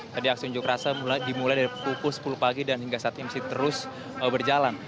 tadi aksi unjuk rasa dimulai dari pukul sepuluh pagi dan hingga saat ini masih terus berjalan